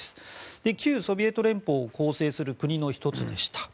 旧ソビエト連邦を構成する国の１つでした。